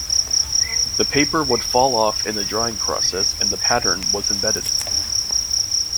The paper would fall off in the drying process and the pattern was embedded.